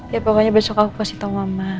ya pokoknya besok aku kasih tau mama